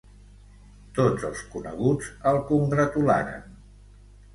Tots els coneguts el congratularen.